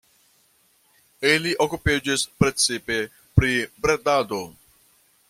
Ili okupiĝis precipe pri bredado.